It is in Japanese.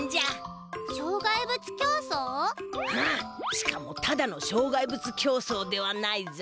しかもただの障害物競走ではないぞ。